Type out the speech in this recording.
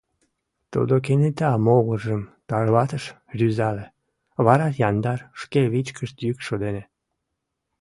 Тудо кенета могыржым тарватыш, рӱзале, вара яндар, шке вичкыж йӱкшӧ дене: